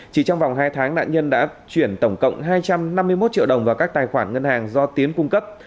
chỉ trong vòng hai tháng nạn nhân đã chuyển tổng cộng hai trăm năm mươi một triệu đồng vào các tài khoản ngân hàng do tiến cung cấp